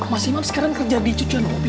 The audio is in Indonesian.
mas imam sekarang kerja di cucian mobil